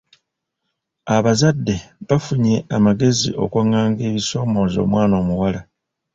Abazadde bafunye amagezi okwanganga ebisoomooza omwana omuwala.